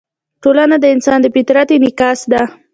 ټولنه د انسان د فطرت انعکاس ده.